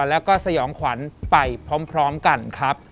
แล้วก็สยองขวัญไปพร้อมกันครับ